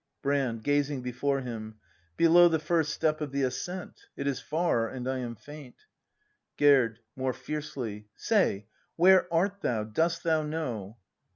Brand. [Gazing before him.] Below The first step of the ascent; It is lar, and I am faint. Gerd. [More fiercely.] Say! Where art thou, dost thou know?